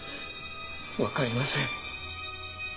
わかりません。